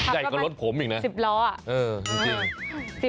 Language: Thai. ใหญ่กว่ารถผมอีกนะเออจริงขับก็มัน๑๐ล้อ